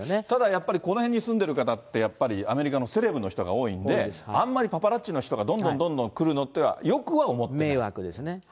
ただやっぱり、この辺に住んでる方って、やっぱりアメリカのセレブの人が多いんで、あんまりパパラッチの方がどんどんどんどん来るのっていうのはよくは思ってない。